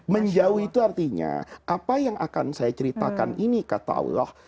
menjauh itu artinya apa yang akan saya ceritakan ini kata allah